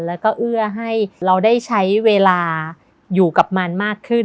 แล้วก็เอื้อให้เราได้ใช้เวลาอยู่กับมันมากขึ้น